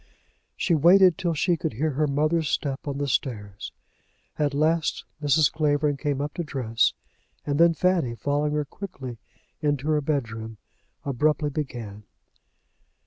She waited till she should hear her mother's step on the stairs. At last Mrs. Clavering came up to dress, and then Fanny, following her quickly into her bedroom, abruptly began.